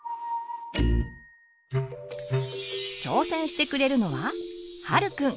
挑戦してくれるのは陽くん。